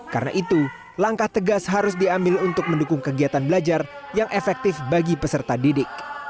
karena itu langkah tegas harus diambil untuk mendukung kegiatan belajar yang efektif bagi peserta didik